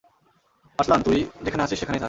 আর্সলান, তুই যেখানে আছিস সেখানেই থাক।